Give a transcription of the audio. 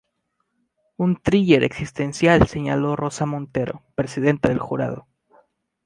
Un "thriller" existencial", señaló Rosa Montero, presidenta del jurado.